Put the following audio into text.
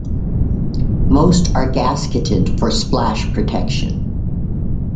Most are gasketed for splash protection.